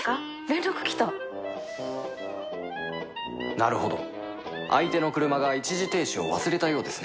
なるほど相手の車が一時停止を忘れたようですね